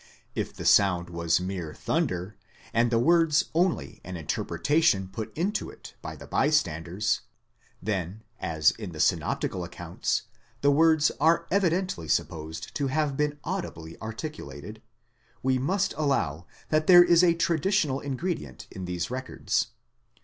If the sound was mere thunder, and the words only an interpreta tion put upon it by the bystanders; then, as in the synoptical accounts, the words are evidently supposed to have been audibly articulated, we must allow that there is a traditional ingredient in these records.